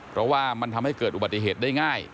เพราะว่ามันทำให้เกิดอุบัติเหตุได้ง่าย